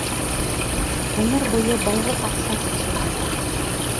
Ғүмер буйы «байлыҡ, аҡса» тип суҡындың!